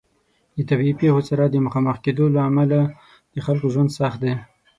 د طبیعي پیښو سره د مخامخ کیدو له امله د خلکو ژوند سخت دی.